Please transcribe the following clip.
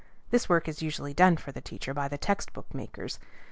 This work is usually done for the teacher by the text book makers.